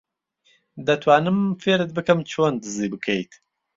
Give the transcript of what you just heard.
دەتوانم فێرت بکەم چۆن دزی بکەیت.